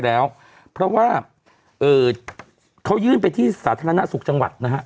แล้วเพราะว่าเอ่อเขายื่นไปที่สาธารณสุขจังหวัดนะฮะ